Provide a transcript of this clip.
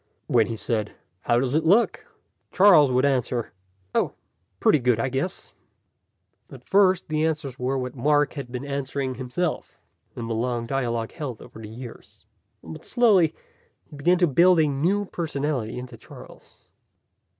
When he said, "How does it look?" Charles would answer, "Oh, pretty good, I guess." At first the answers were what Mark had been answering himself, in the long dialogue held over the years. But, slowly, he began to build a new personality into Charles.